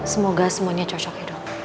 semoga semuanya cocok ya dong